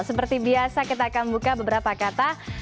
seperti biasa kita akan buka beberapa kata